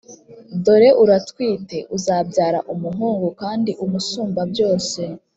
dore uratwite, uzabyara umuhungu, kandi umusumbabyose